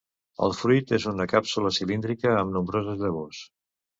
El fruit és una càpsula cilíndrica amb nombroses llavors.